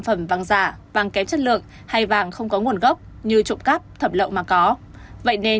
phẩm vàng giả vàng kém chất lượng hay vàng không có nguồn gốc như trộm cắp thẩm lậu mà có vậy nên